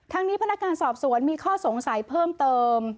นี้พนักงานสอบสวนมีข้อสงสัยเพิ่มเติม